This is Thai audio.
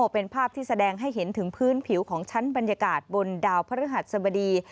เป็นภาพที่แสดงให้เห็นถึงพื้นผิวของชั้นบรรยากาศบนดาวพระฤหัสสบดี